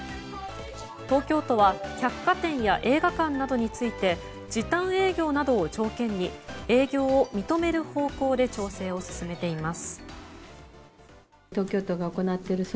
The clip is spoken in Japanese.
東京都は百貨店や映画館などについて時短営業などを条件に営業を認める方向で調整を進めています。